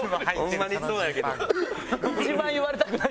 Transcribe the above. ホンマにそうやねん。